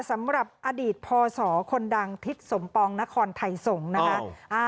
สำหรับอดีตพอสอคนดังทิศสมปองนครไถ่สงนะคะอ้าว